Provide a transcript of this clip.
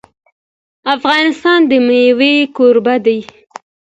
افغانستان د مېوې کوربه دی.